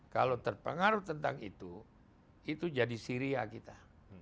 kalau terpengaruh tentang itu itu jadi syria kita